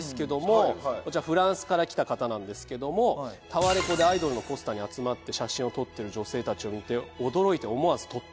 こちらフランスから来た方なんですけども「タワレコでアイドルのポスターに集まって写真を撮ってる女性たちを見て驚いて思わず撮った」